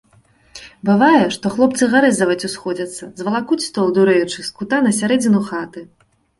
Бывае, што хлопцы гарэзаваць усходзяцца, звалакуць стол, дурэючы, з кута на сярэдзіну хаты.